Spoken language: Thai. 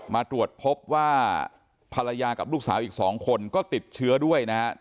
มาตรวจพบว่าภรรยากับลูกสาวอีก๒คนก็ติดเชื้อด้วยนะครับ